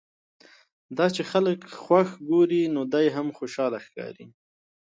دا چې خلک خوښ ګوري نو دی هم خوشاله ښکاري.